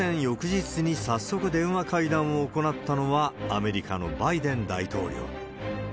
翌日に早速電話会談を行ったのは、アメリカのバイデン大統領。